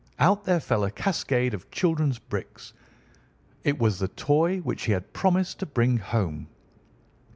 Out there fell a cascade of children's bricks. It was the toy which he had promised to bring home.